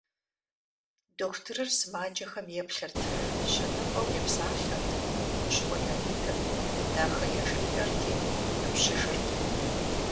Дохутырыр сымаджэхэм еплъырт, щэныфӀэу епсалъэрт, хущхъуэ яритырт, дахэ яжриӀэрти иутӀыпщыжырт.